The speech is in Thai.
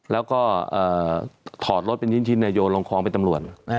แล้วก็ถอดรถเป็นชิ้นโยนลงคลองเป็นตำรวจ